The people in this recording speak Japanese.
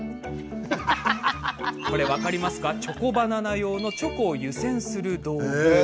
チョコバナナ用のチョコを湯煎する道具